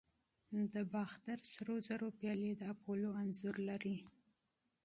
د باختر سرو زرو پیالې د اپولو انځور لري